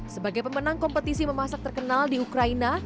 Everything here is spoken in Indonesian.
sebagai pemenang kompetisi memasak terkenal di ukraina